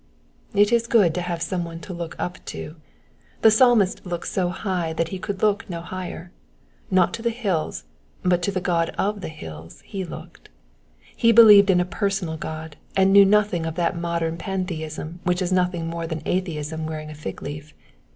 '*'^ It is good to have some one to look up to. The Psalmist looked so high that he could look no higher. Not to the hills, but to the God of the hills he looked. He believed in a personal God, and knew nothing of that modern pantheism which is notliing more than atheism wearing a figleaf.